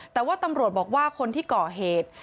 แต่ว่าตำรวจบอกว่าคนที่ก่อเหตุ